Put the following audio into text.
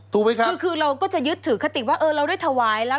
ใช่คือเราก็จะยึดถือคติว่าเราได้ถวายแล้ว